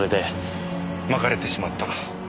まかれてしまった。